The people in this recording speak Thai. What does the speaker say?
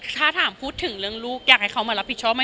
ถ้าถามพูดถึงเรื่องลูกอยากให้เขามารับผิดชอบไหม